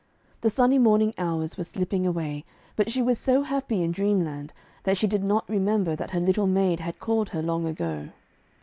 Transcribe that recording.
The sunny morning hours were slipping away, but she was so happy in dreamland, that she did not remember that her little maid had called her long ago.